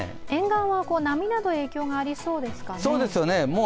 沿岸は波など影響がありそうですかね？